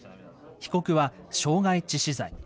被告は傷害致死罪。